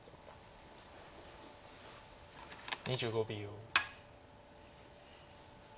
２５秒。